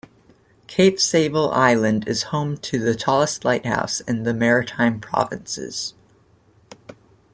Cape Sable Island is home to the tallest lighthouse in the Maritime Provinces.